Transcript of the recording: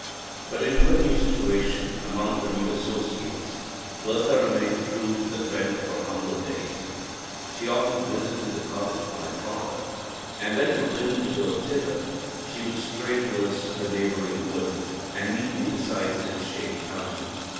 But in her new situation among her new associates, Bertha remained true to the friend of her humbler days; she often visited the cottage of my father, and when forbidden to go thither, she would stray towards the neighbouring wood, and meet me beside its shady fountain.